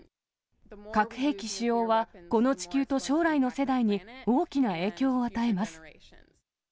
核兵器使用はこの地球と将来の世代に大きな影響を与えます。